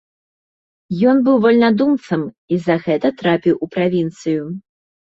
Ён быў вальнадумцам і за гэта трапіў у правінцыю.